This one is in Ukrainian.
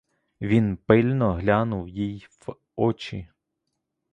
Він пильно глянув їй в очі.